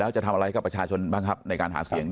จะทำอะไรกับประชาชนบ้างครับในการหาเสียง